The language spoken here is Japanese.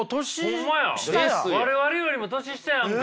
ホンマや我々よりも年下やんか。